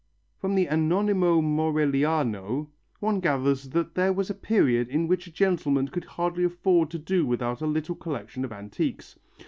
From the Anonimo Morelliano one gathers that there was a period in which a gentleman could hardly afford to do without a little collection of antiques.